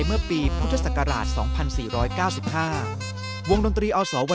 เมื่อเวลาเมื่อเวลา